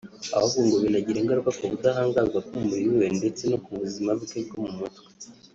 ahubwo ngo binagira ingaruka ku budahangarwa bw’umubiri we ndetse no ku buzima bwo mu mutwe